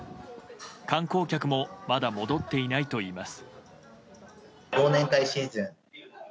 観光客もまだ戻っていないといいます。